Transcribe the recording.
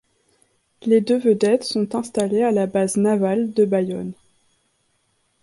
Les deux vedettes sont installées à la base navale de Bayonne.